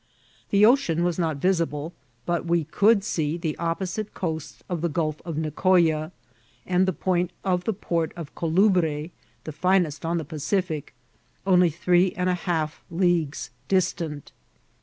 The ocean was not yirable, but ^ we could see the opposite coast of the Gulf of Niooya, and the point of the port of Colubre, the finest on the Pacific^ only three and a half leagues distant.